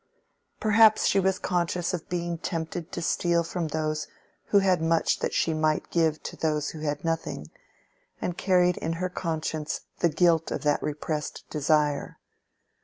Perhaps she was conscious of being tempted to steal from those who had much that she might give to those who had nothing, and carried in her conscience the guilt of that repressed desire.